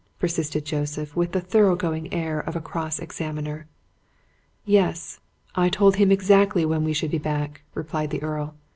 persisted Joseph, with the thorough going air of a cross examiner. "Yes I told him exactly when we should be back," replied the Earl.